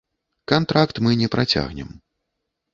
Кантракт мы не працягнем.